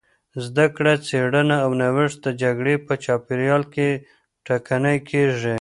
زدهکړه، څېړنه او نوښت د جګړې په چاپېریال کې ټکنۍ کېږي.